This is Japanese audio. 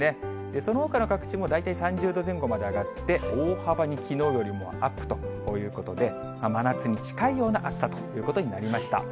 そのほかの各地も大体３０度前後まで上がって、大幅にきのうよりもアップということで、真夏に近いような暑さということになりました。